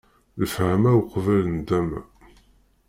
Lefhama uqbel ndama!